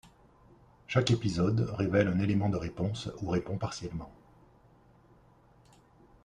Chaque épisode révèle un élément de réponse ou répond partiellement.